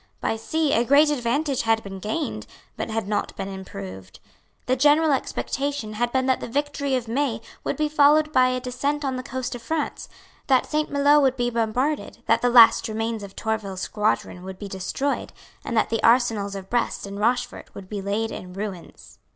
By sea a great advantage had been gained, but had not been improved. The general expectation had been that the victory of May would be followed by a descent on the coast of France, that Saint Maloes would he bombarded, that the last remains of Tourville's squadron would be destroyed, and that the arsenals of Brest and Rochefort would be laid in ruins.